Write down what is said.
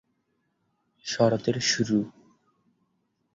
শরতের শুরু।